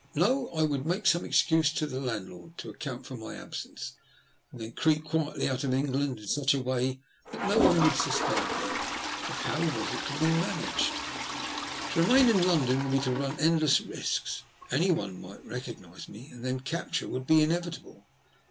No ; I would make some excuse to the landlord to account for my absence, and then creep quietly out of England in such a way that no one would suspect me. But how was it to be managed ? To remain in London would be to run endless risks. Anyone might recognise me, and then capture would be inevitable.